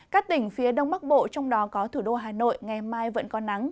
các tỉnh phía đông bắc bộ trong đó có thủ đô hà nội ngày mai vẫn có nắng